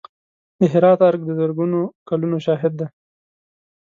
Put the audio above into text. د هرات ارګ د زرګونو کلونو شاهد دی.